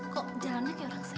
kok jalannya kayak orang sehat